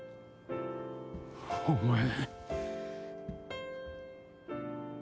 お前。